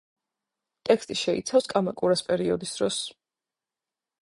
ტექსტი შეიცვალა კამაკურას პერიოდის დროს.